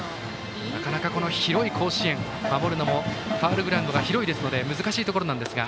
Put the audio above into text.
なかなか広い甲子園守るのもファウルグラウンドが広いので難しいところですが。